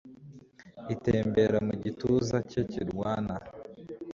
itembera mu gituza cye kirwana